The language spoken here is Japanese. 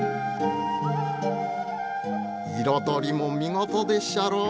彩りも見事でっしゃろ。